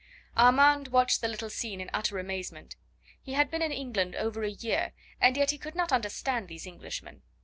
Armand watched the little scene in utter amazement. He had been in England over a year, and yet he could not understand these Englishmen.